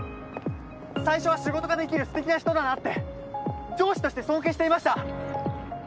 最初は、仕事ができる素敵な人だなって上司として尊敬していました。